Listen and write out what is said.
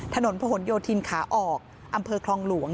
ถนนผนโยธินขาออกอำเภอคลองหลวง